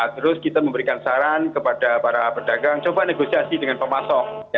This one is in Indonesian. terus kita memberikan saran kepada para pedagang coba negosiasi dengan pemasok